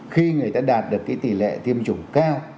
khi người ta đạt được tỷ lệ tiêm chủng cao